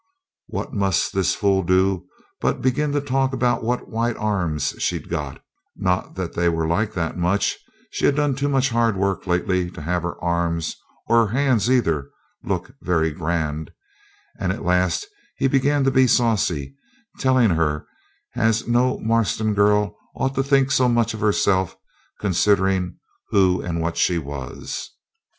What must this fool do but begin to talk about what white arms she'd got not that they were like that much, she'd done too much hard work lately to have her arms, or hands either, look very grand; and at last he began to be saucy, telling her as no Marston girl ought to think so much of herself, considerin' who and what she was.